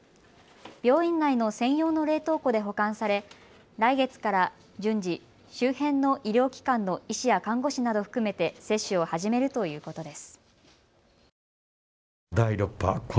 病院内の専用の冷凍庫で保管され来月から順次、周辺の医療機関の医師や看護師など含めて接種を始めるということです。